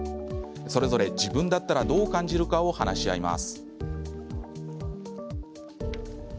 それぞれ自分だったらどう感じるかを話し合います。